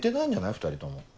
２人とも。